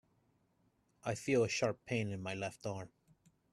I feel a sharp pain in my left arm.